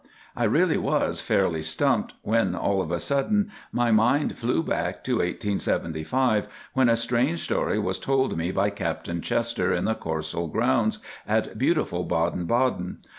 I really was fairly stumped, when, all of a sudden, my mind flew back to 1875, when a strange story was told me by Captain Chester in the Coursal grounds at beautiful Baden Baden.